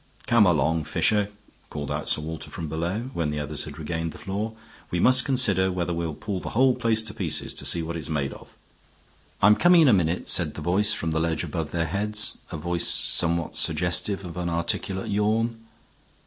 "Come along, Fisher," called out Sir Walter from below, when the others had regained the floor. "We must consider whether we'll pull the whole place to pieces to see what it's made of." "I'm coming in a minute," said the voice from the ledge above their heads, a voice somewhat suggestive of an articulate yawn.